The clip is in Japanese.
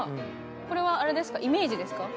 これはあれですかイメージですか？